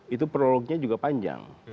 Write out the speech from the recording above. itu produknya juga panjang